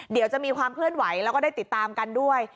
เดี๋ยวจะมีความเคลื่อนไหวแล้วก็ได้ติดตามกันด้วย